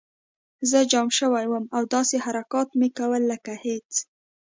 زه جام شوی وم او داسې حرکات مې کول لکه هېڅ